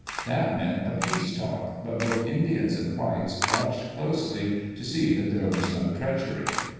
That meant a " peace talk," but both Indians and whites watched closely to see that there was no treachery.